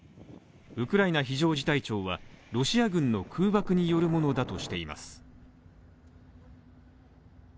ウクライナ非常事態庁はロシア軍の空爆によるものだとしています。